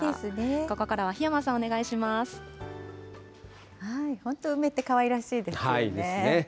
ここからは檜山さん、お願い本当、梅ってかわいらしいでですね。